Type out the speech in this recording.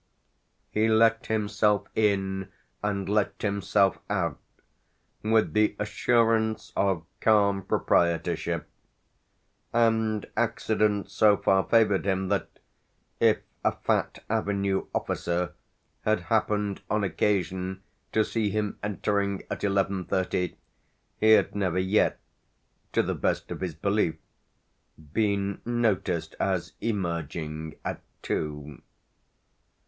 He let himself in and let himself out with the assurance of calm proprietorship; and accident so far favoured him that, if a fat Avenue "officer" had happened on occasion to see him entering at eleven thirty, he had never yet, to the best of his belief, been noticed as emerging at two.